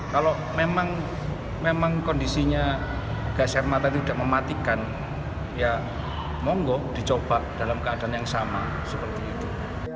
kalau memang kondisinya gas air mata itu tidak mematikan ya monggo dicoba dalam keadaan yang sama seperti itu